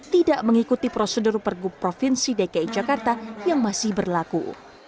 tidak mengikuti prosedur pergub provinsi dki jakarta yang masih berlaku